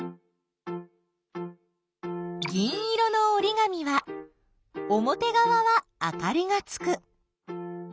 銀色のおりがみはおもてがわはあかりがつく。